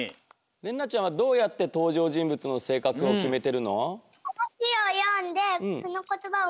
れんなちゃんはどうやってとうじょうじんぶつのせいかくをきめてるの？